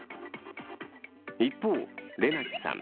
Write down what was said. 一方れなちさん